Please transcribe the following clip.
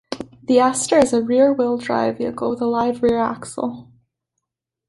The Astre is a rear wheel drive vehicle with a live rear axle.